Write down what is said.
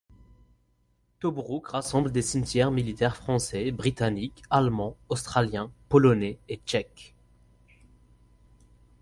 Tobrouk rassemble des cimetières militaires français, britannique, allemand, australien, polonais et tchèque.